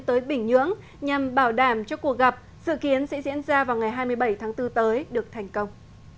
tới bình nhưỡng nhằm bảo đảm cho cuộc gặp dự kiến sẽ diễn ra vào ngày hai mươi bảy tháng bốn tới được thành công